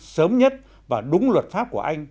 sớm nhất và đúng luật pháp của anh